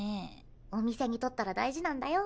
お店にとったら大事なんだよ。